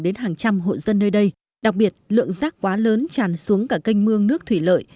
đến hàng trăm hộ dân nơi đây đặc biệt lượng rác quá lớn tràn xuống cả canh mương nước thủy lợi